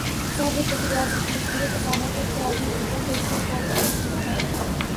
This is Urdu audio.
سابق وزیراعظم کی مشیر خزانہ کو انفرادی انکم ٹیکس میں فوری کمی کی ہدایت